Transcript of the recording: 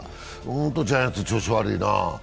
本当にジャイアンツ調子悪いなあ。